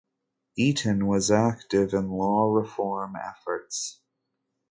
Eaton was active in law reform efforts.